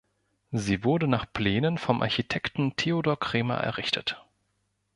Sie wurde nach Plänen vom Architekten Theodor Kremer errichtet.